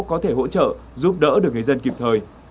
có thể hỗ trợ giúp đỡ được người dân kịp thời